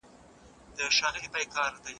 څه شی محکمه له لوی ګواښ سره مخ کوي؟